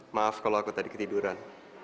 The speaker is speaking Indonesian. maaf kalau aku tadi ketiduran